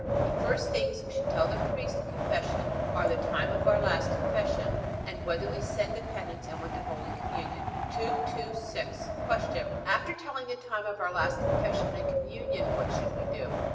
The first things we should tell the priest in Confession are the time of our last Confession, and whether we said the penance and went to Holy Communion. 226. Q. After telling the time of our last Confession and Communion what should we do?